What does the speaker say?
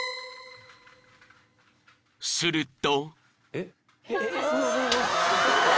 ［すると］